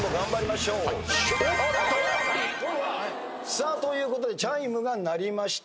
さあということでチャイムが鳴りました。